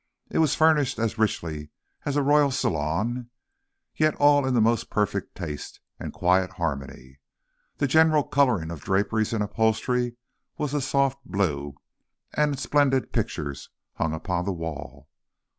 It was furnished as richly as a royal salon, yet all in most perfect taste and quiet harmony. The general coloring of draperies and upholstery was soft blue, and splendid pictures hung on the wall.